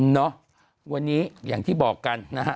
เนาะวันนี้อย่างที่บอกกันนะฮะ